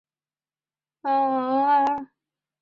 阿加汗三世。